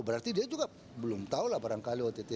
berarti dia juga belum tahu lah barangkali ott